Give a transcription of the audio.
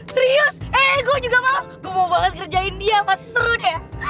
serius eh gue juga mau gue mau banget kerjain dia pas seru dia